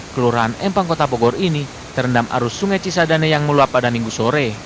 kelurahan empang kota bogor ini terendam arus sungai cisadane yang meluap pada minggu sore